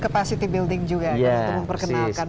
capacity building juga untuk memperkenalkan